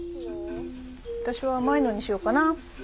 私は甘いのにしようかな。